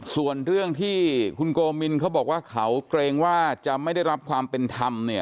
ส่วนเรื่องที่คุณโกมินเขาบอกว่าเขาเกรงว่าจะไม่ได้รับความเป็นธรรมเนี่ย